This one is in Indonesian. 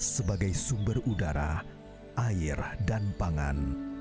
sebagai sumber udara air dan pangan